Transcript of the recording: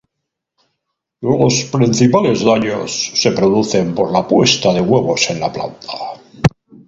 Los principales daños se producen por la puesta de huevos en la planta.